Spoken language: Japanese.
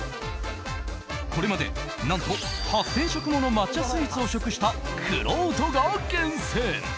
これまで、何と８０００食もの抹茶スイーツを食したくろうとが厳選。